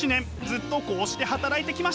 ずっとこうして働いてきました。